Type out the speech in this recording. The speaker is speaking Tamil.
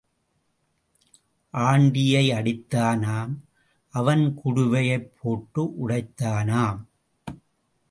ஆண்டியை அடித்தானாம் அவன் குடுவையைப் போட்டு உடைத்தானாம்.